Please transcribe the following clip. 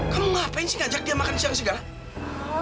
kamu ngapain sih ngajak dia makan siang segala